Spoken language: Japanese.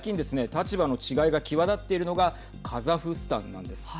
立場の違いが際立っているのがカザフスタンなんです。